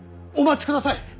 お待ちください。